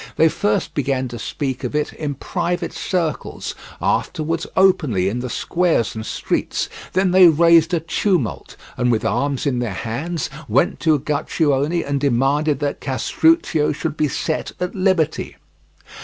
They first began to speak of it in private circles, afterwards openly in the squares and streets; then they raised a tumult, and with arms in their hands went to Uguccione and demanded that Castruccio should be set at liberty.